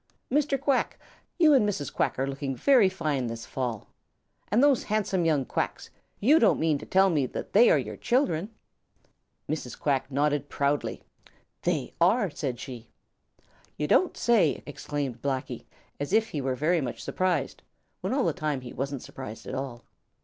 Mr. Quack, you and Mrs. Quack are looking very fine this fall. And those handsome young Quacks, you don't mean to tell me that they are your children!" Mrs. Quack nodded proudly. "They are," said she. "You don't say so!" exclaimed Blacky, as if he were very much surprised, when all the time he wasn't surprised at all.